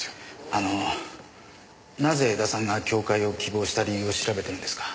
あのなぜ江田さんが教誨を希望した理由を調べてるんですか？